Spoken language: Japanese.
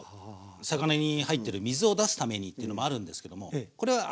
魚に入ってる水を出すためにっていうのもあるんですけどもこれは味付けのため。